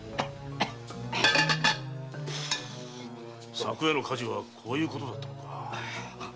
昨夜の火事はこういうことだったのか。